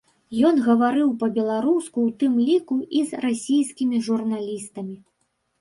Ён гаварыў па-беларуску, у тым ліку і з расійскімі журналістамі.